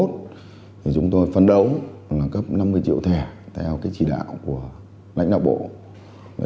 thì chúng tôi phấn đấu là cấp năm mươi triệu thẻ theo cái chỉ đạo của lãnh đạo bộ